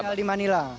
tinggal di manila